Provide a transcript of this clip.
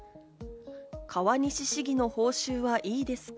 川西市議の報酬はいいですか？